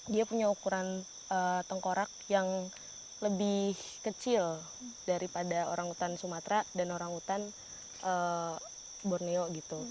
dia punya ukuran tengkorak yang lebih kecil daripada orangutan sumatera dan orang hutan borneo gitu